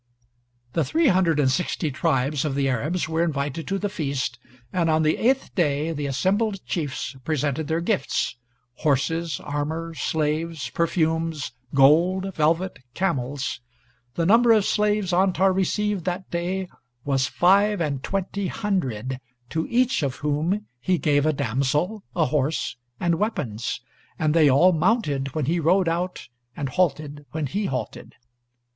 [The three hundred and sixty tribes of the Arabs were invited to the feast, and on the eighth day the assembled chiefs presented their gifts horses, armor, slaves, perfumes, gold, velvet, camels. The number of slaves Antar received that day was five and twenty hundred, to each of whom he gave a damsel, a horse, and weapons. And they all mounted when he rode out, and halted when he halted.